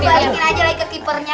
banyakin aja lagi ke tipe nya pak